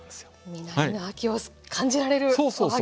実りの秋を感じられるおはぎ。